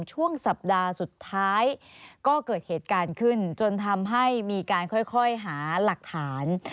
ช่วงสัปดาห์สุดท้ายก็เกิดเหตุการณ์ขึ้นจนทำให้มีการค่อยหาหลักฐาน